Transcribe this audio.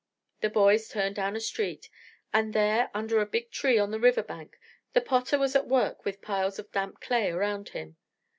The boys turned down a street; and there, under a big tree on the river bank, the potter was at work with piles of damp clay around him.